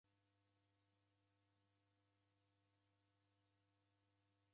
Ndediichi w'avi w'ake